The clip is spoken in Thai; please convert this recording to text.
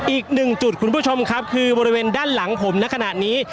อีกหนึ่งจุดคุณผู้ชมครับคือบริเวณด้านหลังผมในขณะนี้